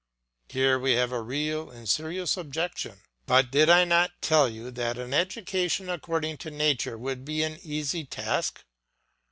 Here we have a real and serious objection. But did I tell you that an education according to nature would be an easy task?